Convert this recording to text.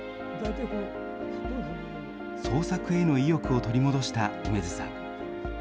創作への意欲を取り戻した楳図さん。